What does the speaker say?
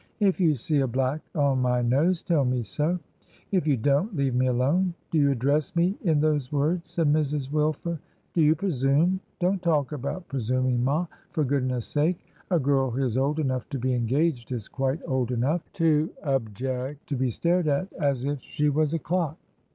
If you see a black on my nose, tell me so; if you don't, leave me alone. '' Do you address Me in those words?' said Mrs. Wilfer. 'Do you presume?' 'Don't talk about presuming, ma, for goodness' sake. A girl who is old enough to be engaged is quite old enough to object to be stared at as if she was a clock.